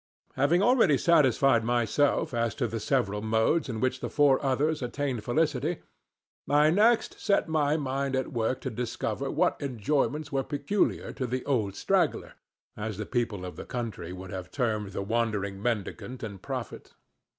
Having already satisfied myself as to the several modes in which the four others attained felicity, I next set my mind at work to discover what enjoyments were peculiar to the old "straggler," as the people of the country would have termed the wandering mendicant and prophet.